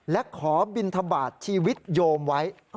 และขอบินทบาทชีวิตโยมไว้